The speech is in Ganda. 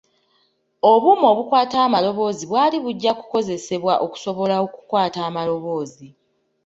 Obuuma obukwata amaloboozi bwali bujja kukozesebwa okusobola okukwata amaloboozi.